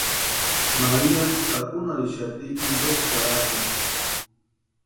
María takunharhitixati interi charhakuni.